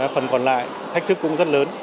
phần còn lại thách thức cũng rất lớn